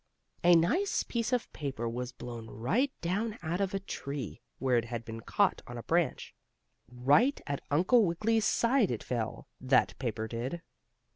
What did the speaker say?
a nice piece of paper was blown right down out of a tree, where it had been caught on a branch. Right at Uncle Wiggily's side it fell; that paper did.